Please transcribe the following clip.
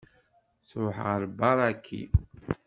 Tṛuḥ ɣer Ibaraki.